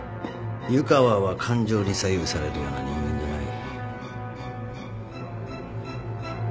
湯川は感情に左右されるような人間じゃない。